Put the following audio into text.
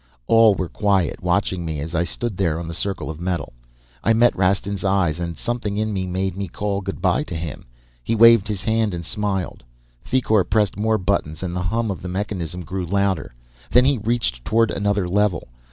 All were quiet, watching me as I stood there on the circle of metal. I met Rastin's eyes and something in me made me call goodbye to him. He waved his hand and smiled. Thicourt pressed more buttons and the hum of the mechanisms grew louder. Then he reached toward another lever.